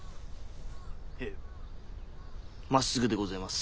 へえまっすぐでごぜえます。